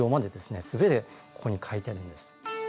全てここに書いてあるんです。